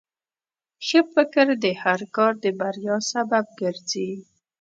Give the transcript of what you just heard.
ښه فکر د هر کار د بریا سبب ګرځي.